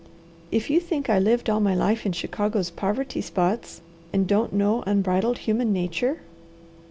"If you think I lived all my life in Chicago's poverty spots and don't know unbridled human nature!"